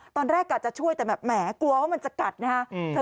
ตอนแรกกะจะช่วยแต่แบบแหมกลัวว่ามันจะกัดนะฮะ